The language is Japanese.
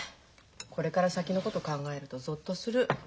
これから先のこと考えるとぞっとする。